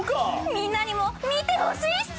みんなにも見てほしいっす！